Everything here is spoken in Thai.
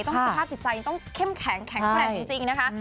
สภาพจิตใจยังต้องเข้มแข็งแข็งแกร่งจริงนะคะ